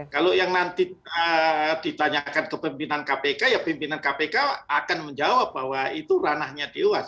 kalau yang nanti ditanyakan ke pimpinan kpk ya pimpinan kpk akan menjawab bahwa itu ranahnya dewas